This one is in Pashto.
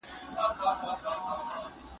خو په پای کې